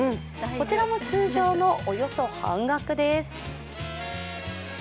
こちらも通常のおよそ半額です。